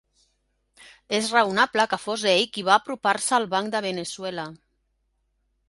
És raonable que fos ell qui va apropar-se al banc de Veneçuela.